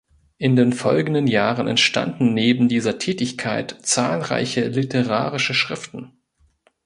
In den folgenden Jahren entstanden neben dieser Tätigkeit zahlreiche literarische Schriften.